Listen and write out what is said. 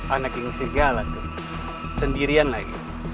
anak yang segala tuh sendirian lagi